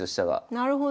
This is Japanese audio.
なるほど。